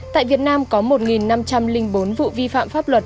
tại việt nam có một năm trăm linh bốn vụ vi phạm pháp luật